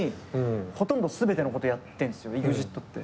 ほとんど全てのことやってんすよＥＸＩＴって。